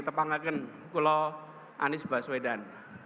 tepangkan kalau anies baswedan